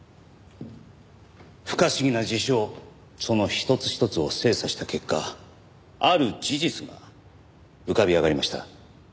不可思議な事象その一つ一つを精査した結果ある事実が浮かび上がりました。